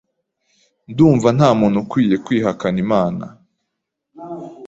Ndumva nta muntu ukwiye kwihakana Imana